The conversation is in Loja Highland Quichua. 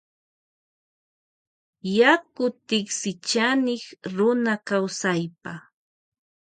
Yaku tiksichanik runa kawsaypa.